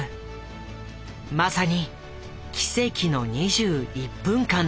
まさに奇跡の２１分間だった。